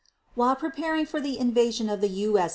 While preparing for the invasion of the U.